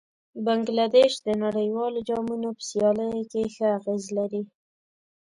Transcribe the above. بنګله دېش د نړیوالو جامونو په سیالیو کې ښه اغېز لري.